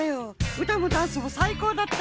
うたもダンスもさいこうだった。